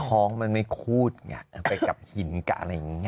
ท้องมันไม่คูดไงไปกับหินกับอะไรอย่างนี้ไง